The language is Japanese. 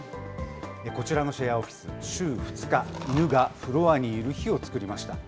こちらのシェアオフィス、週２日、犬がフロアにいる日を作りました。